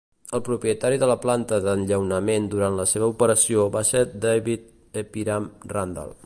El propietari de la planta d'enllaunament durant la seva operació va ser David Ephriam Randall.